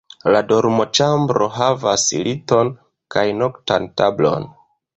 La dormoĉambro havas liton kaj noktan tablon.